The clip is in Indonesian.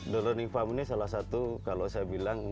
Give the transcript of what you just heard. the learning farm ini salah satu kalau saya bilang